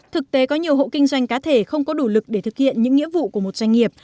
thực tế có nhiều hộ kinh doanh cá thể không có đủ lực để thực hiện những nghĩa vụ của một doanh nghiệp